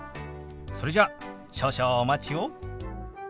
それじゃ少々お待ちを。